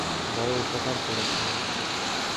বড়ো উপকার করেছেন।